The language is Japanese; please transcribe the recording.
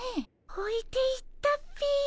おいていったっピィ。